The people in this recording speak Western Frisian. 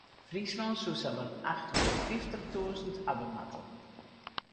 Fryslân soe sawat acht hûndert fyftich tûzen hawwe moatte.